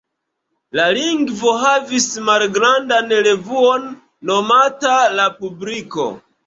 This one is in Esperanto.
La lingvo havis malgrandan revuon nomata "La Publiko".